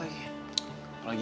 kayaknya malah libat lagi